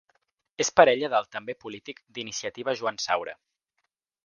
És parella del també polític d'Iniciativa Joan Saura.